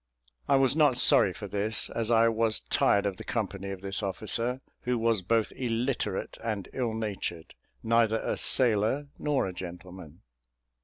I was not sorry for this, as I was tired of the company of this officer, who was both illiterate and ill natured, neither a sailor nor a gentleman.